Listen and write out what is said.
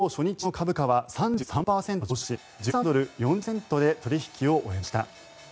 上場初日の株価は３３％上昇し１３ドル４０セントで取引を終えました。